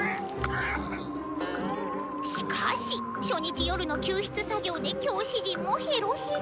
しかし初日夜の救出作業で教師陣もヘロヘロ！」。